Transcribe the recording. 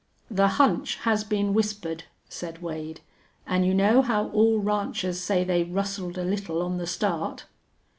"The hunch has been whispered," said Wade. "An' you know how all ranchers say they rustled a little on the start."